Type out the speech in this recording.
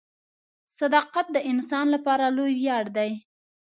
• صداقت د انسان لپاره لوی ویاړ دی.